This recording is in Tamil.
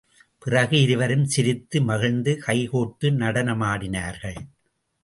பிறகு இருவரும் சிரித்து மகிழ்ந்து, கை கோர்த்து நடனமாடினார்கள்.